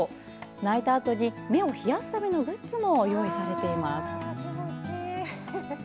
泣いたあとに目を冷やすためのグッズも用意されています。